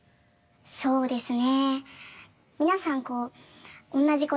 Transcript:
そうですね。